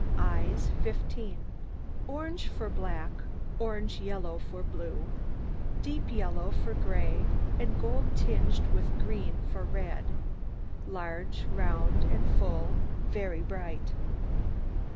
EYES 15 Orange for black, orange yellow for blue, deep yellow for gray, and gold tinged with green for red. Large, round, and full; very bright.